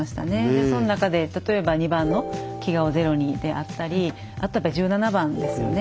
でその中で例えば２番の「飢餓をゼロに」であったりあとはやっぱ１７番ですよね。